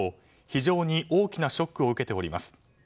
非常に大きなショックを受けております。